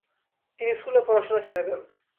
তিনি স্কুলের পড়াশোনা ছেড়ে দেন।